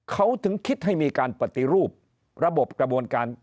เขาถึงคิดให้มีการปฏิรูประบบกระบวนการ